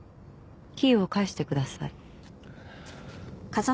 キーを返してください。